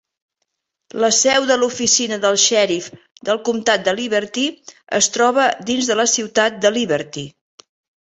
La seu de l'oficina del xèrif del comtat de Liberty es troba dins de la ciutat de Liberty.